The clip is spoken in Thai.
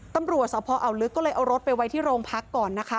ตำรวจสพอ่าวลึกก็เลยเอารถไปไว้ที่โรงพักก่อนนะคะ